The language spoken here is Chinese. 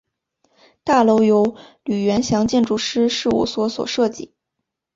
大楼由吕元祥建筑师事务所设计。